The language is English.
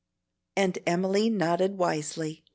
and Emily nodded wisely.